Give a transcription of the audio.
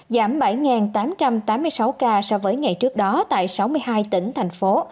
giảm bảy tám trăm tám mươi sáu ca so với ngày trước đó tại sáu mươi hai tỉnh thành phố